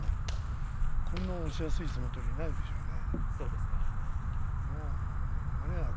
大栄翔はこんな押しやすい相撲取りはいないでしょうね。